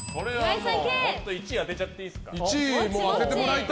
１位当てちゃっていいですか。